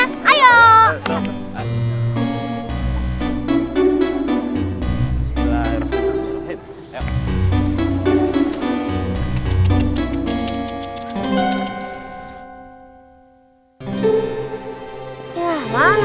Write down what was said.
kalau begitu kita berikan saja kepada monyetnya